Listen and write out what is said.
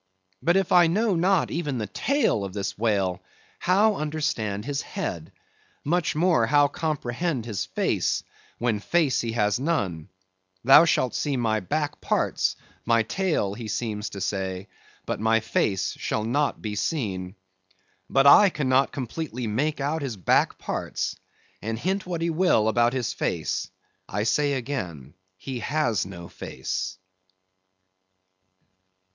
But if I know not even the tail of this whale, how understand his head? much more, how comprehend his face, when face he has none? Thou shalt see my back parts, my tail, he seems to say, but my face shall not be seen. But I cannot completely make out his back parts; and hint what he will about his face, I say again he has no face.